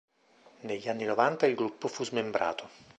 Negli anni novanta il gruppo fu smembrato.